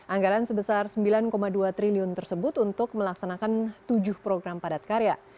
anggaran sebesar sembilan dua triliun tersebut untuk melaksanakan tujuh program padat karya